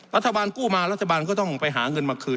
กู้มารัฐบาลก็ต้องไปหาเงินมาคืน